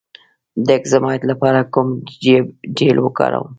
د اکزیما لپاره کوم جیل وکاروم؟